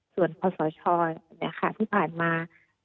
ส่วนพสชนะคะที่ผ่านมา